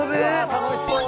楽しそう。